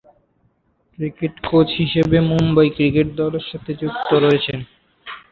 Cricket coach হিসেবে Mumbai cricket দলের সাথে যুক্ত রয়েছেন।